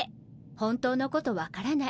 本当のこと分からない。